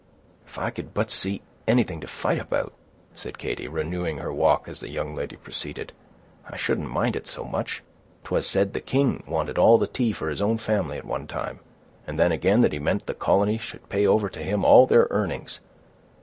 "If I could but see anything to fight about," said Katy, renewing her walk as the young lady proceeded, "I shouldn't mind it so much. 'Twas said the king wanted all the tea for his own family, at one time; and then again, that he meant the colonies should pay over to him all their earnings.